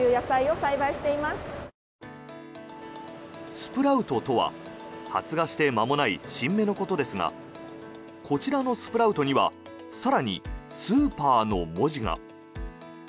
スプラウトとは発芽して間もない新芽のことですがこちらのスプラウトには更に、スーパーの文字が。